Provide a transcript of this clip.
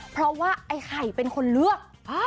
เพราะว่าไอ้ไข่เป็นคนเลือก